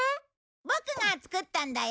ボクが作ったんだよ！